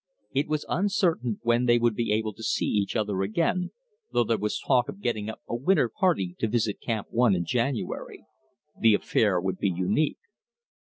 It was uncertain when they would be able to see each other again, though there was talk of getting up a winter party to visit Camp One in January. The affair would be unique.